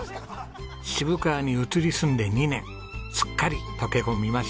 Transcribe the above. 渋川に移り住んで２年すっかり溶け込みました。